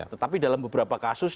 tetapi dalam beberapa kasus